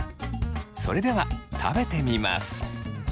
それでは食べてみます。